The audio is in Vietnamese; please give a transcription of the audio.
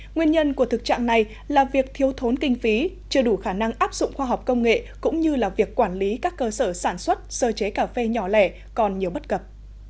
nguyên nhân của thực trạng này là việc thiếu thốn kinh phí chưa đủ khả năng áp dụng khoa học công nghệ cũng như là việc quản lý các cơ sở sản xuất sơ chế cà phê nhỏ lẻ còn nhiều bất cập